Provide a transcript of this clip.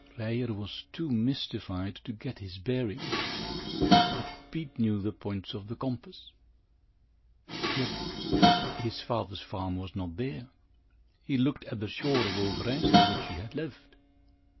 Ryer was too mystified to get his bearings, but Pete knew the points of the compass. Yet his father's farm was not there. He looked at the shore of Overijssel, which he had left.